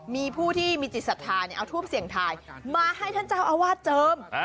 มีผู้ที่มีจิตศรัทธาเอาทูปเสี่ยงทายมาให้ท่านเจ้าอาวาสเจิม